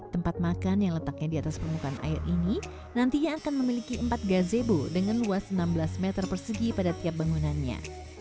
tempat makan yang letaknya di atas permukaan air ini nantinya akan memiliki empat gazebo dengan luas enam belas meter persegi pada tiap bangunannya